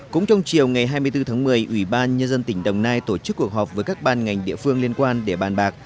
cũng trong chiều ngày hai mươi bốn tháng một mươi ủy ban nhân dân tỉnh đồng nai tổ chức cuộc họp với các ban ngành địa phương liên quan để bàn bạc